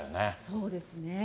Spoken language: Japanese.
そうですね。